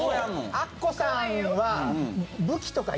アッコさんは。